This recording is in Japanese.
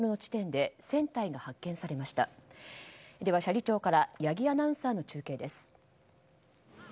では、斜里町から八木アナウンサーの中継です。